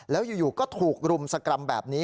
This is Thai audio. แล้วอยู่ก็ถูกรุมสกรรมแบบนี้